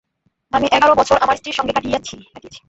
আমি এগার বছর আমার স্ত্রীর সঙ্গে কাটিয়েছি।